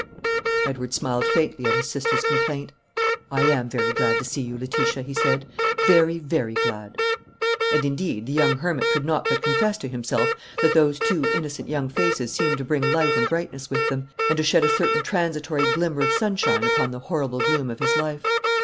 Edward smiled faintly at his sister's complaint. "I am very glad to see you, Letitia," he said; "very, very glad." And indeed the young hermit could not but confess to himself that those two innocent young faces seemed to bring light and brightness with them, and to shed a certain transitory glimmer of sunshine upon the horrible gloom of his life.